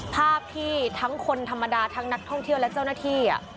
ภาพที่ทั้งคนธรรมดาทั้งนักท่องเที่ยวและเจ้าหน้าที่